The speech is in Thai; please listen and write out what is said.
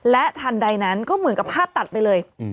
และทันใดนั้นก็เหมือนกับภาพตัดไปเลย